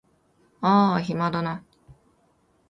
あーあ暇だな